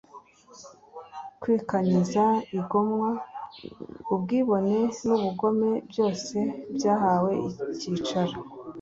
Kwikanyiza igomwa ubwibone nubugome byose byahawe icyicaro